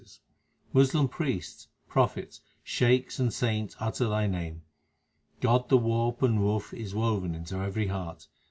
338 THE SIKH RELIGION Moslem priests, Prophets, Shaikhs, and saints utter Thy name. God the warp and woof is woven into every heart.